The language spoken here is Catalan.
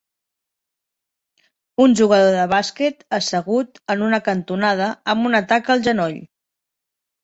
Un jugador de bàsquet assegut en una canonada amb una taca al genoll.